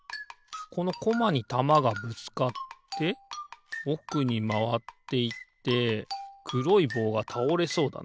このコマにたまがぶつかっておくにまわっていってくろいぼうがたおれそうだな。